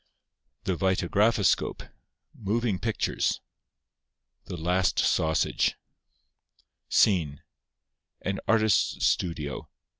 The Vitagraphoscope (Moving Pictures) The Last Sausage SCENE—_An Artist's Studio.